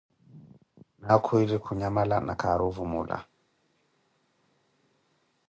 Naakhwitti khunyamala, ni khaari ovumula.